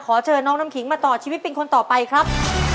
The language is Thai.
เชิญน้องน้ำขิงมาต่อชีวิตเป็นคนต่อไปครับ